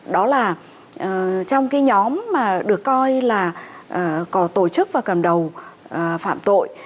đó là trong cái nhóm mà được coi là có tổ chức và cầm đầu phạm tội